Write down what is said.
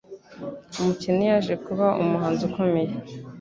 Umukene yaje kuba umuhanzi ukomeye.